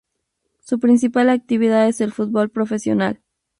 Su principal actividad es el fútbol profesional.